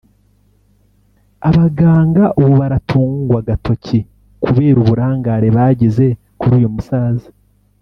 Aba baganga ubu baratungwa agatoki kubera uburangare bagize kuri uyu musaza